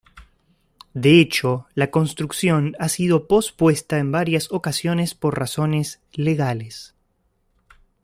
De hecho la construcción ha sido pospuesta en varias ocasiones por razones legales.